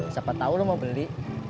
siapa tahu lo mau beli